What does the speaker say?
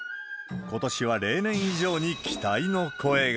ことしは例年以上に期待の声が。